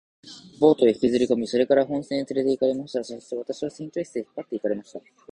ボートへ引きずりこみ、それから本船へつれて行かれました。そして私は船長室へ引っ張って行かれました。